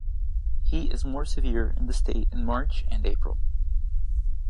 Heat is more severe in the state in March and April.